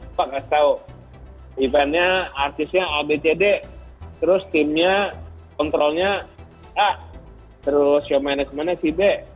mbak tidak tahu event nya artisnya obcd terus timnya control nya a terus show management nya si b